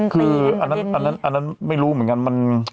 คืออันนั้นไม่รู้เหมือนกัน